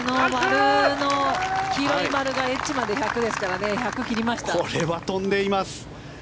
黄色い丸がエッジまで１００ですからこれは飛んでいます。